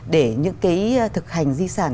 để những thực hành di sản